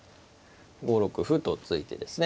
５六歩と突いてですね